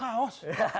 udah banyak yang kawos